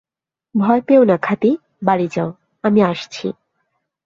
ভয় পেয়ও না খাদি, বাড়ি যাও, আমি আসছি।